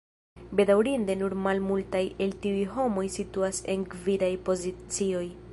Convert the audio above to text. Bedaŭrinde nur malmultaj el tiuj homoj situas en gvidaj pozicioj.